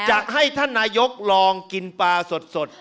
จะให้ท่านนายกลองกินปลาสด